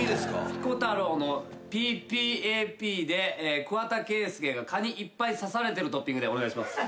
ピコ太郎の『ＰＰＡＰ』で桑田佳祐が蚊にいっぱい刺されてるトッピングでお願いします。